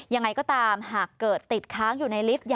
ยังไงก็ตามหากเกิดติดค้างอยู่ในลิฟต์